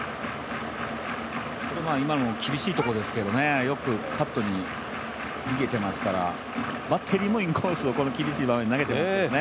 これは今の厳しいところですけどよくカットに逃げてますからバッテリーもインコースを厳しい場面で投げてますからね。